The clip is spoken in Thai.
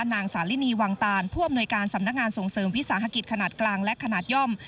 นางสาลินีวังตานผู้อำนวยการสำนักงานส่งเสริมวิสาหกิจขนาดกลางและขนาดย่อม